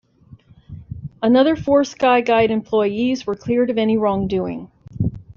Another four Skyguide employees were cleared of any wrongdoing.